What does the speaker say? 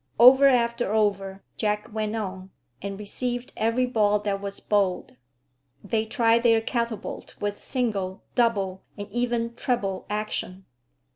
Over after over Jack went on, and received every ball that was bowled. They tried their catapult with single, double, and even treble action.